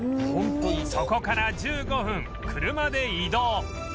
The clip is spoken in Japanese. そこから１５分車で移動